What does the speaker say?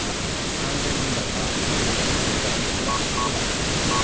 ３０００人台から、１６００人台に減らすことができています。